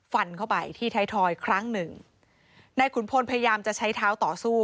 ฟันเข้าไปที่ไทยทอยครั้งหนึ่งนายขุนพลพยายามจะใช้เท้าต่อสู้